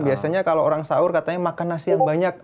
biasanya kalau orang sahur katanya makan nasi yang banyak